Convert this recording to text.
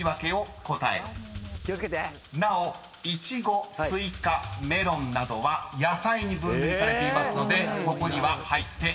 ［なおイチゴスイカメロンなどは野菜に分類されていますのでここには入っていません］